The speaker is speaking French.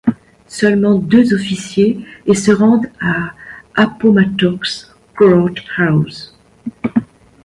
Seulement deux officiers et se rendent à Appomattox Courthouse.